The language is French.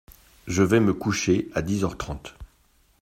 Je vais me coucher à dix heures trente.